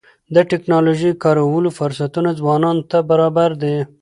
د ټکنالوژۍ د کارولو فرصتونه ځوانانو ته برابر دي.